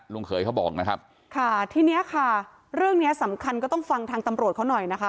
เขยเขาบอกนะครับค่ะทีเนี้ยค่ะเรื่องเนี้ยสำคัญก็ต้องฟังทางตำรวจเขาหน่อยนะคะ